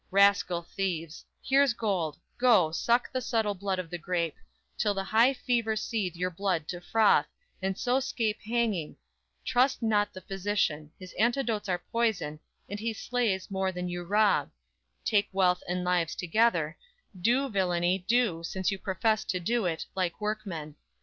Rascal thieves; Here's gold; go, suck the subtle blood of the grape, Till the high fever seethe your blood to froth And so 'scape hanging; trust not the physician; His antidotes are poison, and he slays More than you rob; take wealth and lives together; Do villainy, do, since you profess to do it, Like workmen.